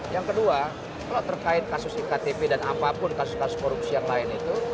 yang kedua kalau terkait kasus iktp dan apapun kasus kasus korupsi yang lain itu